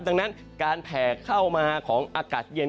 ดังนั้นการแผ่เข้ามาของอากาศเย็น